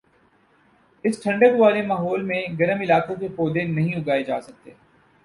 اس ٹھنڈک والے ماحول میں گرم علاقوں کے پودے نہیں اگائے جاسکتے